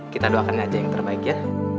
kita doakan aja yang terbaik ya